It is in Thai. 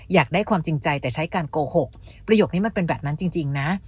อยากได้ความจริงใจแต่ใช้การโกหกประโยคนี้มันเป็นแบบนั้นจริงนะ